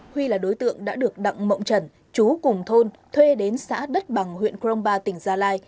huy là đối tượng đã được đặng mộng trần chú cùng thôn thuê đến xã đất bằng huyện crong ba tỉnh gia lai